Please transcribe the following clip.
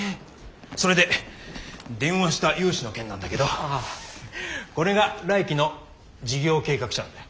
それで電話した融資の件なんだけどこれが来期の事業計画書なんだ。